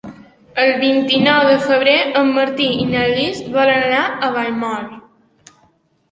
El vint-i-nou de febrer en Martí i na Lis volen anar a Vallmoll.